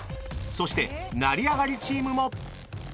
［そして成り上がりチームも］